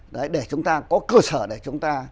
để chúng ta có cơ sở để chúng ta